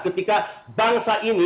ketika bangsa ini